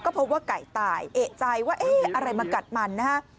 พบว่าไก่ตายเอกใจว่าเอ๊ะอะไรมากัดมันนะฮะ